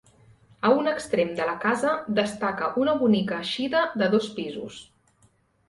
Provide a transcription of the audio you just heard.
A un extrem de la casa destaca una bonica eixida de dos pisos.